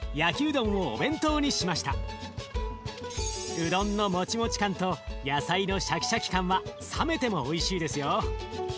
うどんのモチモチ感と野菜のシャキシャキ感は冷めてもおいしいですよ。